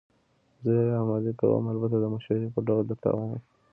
زه یې عملي کوم، البته د مشورې په ډول درته وایم.